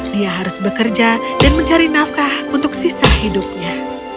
dia harus bekerja dan mencari nafkah untuk sisa hidupnya